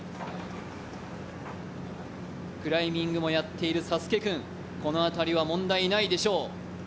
クライミングもやっているサスケくん、この辺りは問題ないでしょう。